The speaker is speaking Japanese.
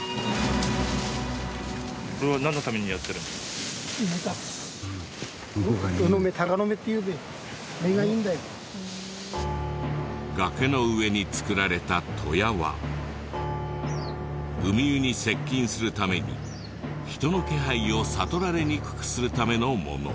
これは崖の上に作られた小屋はウミウに接近するために人の気配を悟られにくくするためのもの。